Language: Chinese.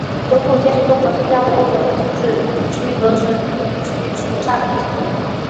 泽普县是中国新疆维吾尔自治区喀什地区所辖的一个县。